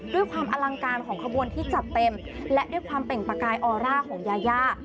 ความอลังการของขบวนที่จัดเต็มและด้วยความเปล่งประกายออร่าของยายา